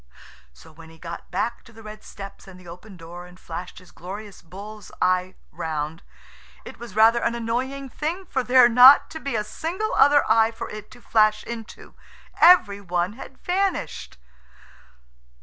So when he got back to the red steps and the open door and flashed his glorious bull's eye round it was rather an annoying thing for there not to be a single other eye for it to flash into. Every one had vanished.